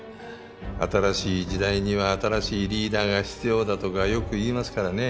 新しい時代には新しいリーダーが必要だとかよく言いますからね。